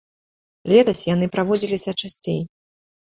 Летась яны праводзіліся часцей.